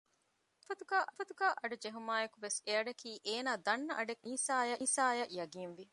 ކަންފަތުގައި އަޑު ޖެހުމާއިއެކު ވެސް އެއަޑަކީ އޭނާ ދަންނަ އަޑެއްކަން ރެނީސާއަށް ޔަގީންވި